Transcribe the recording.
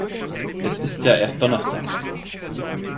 Es ist ja erst Donnerstag.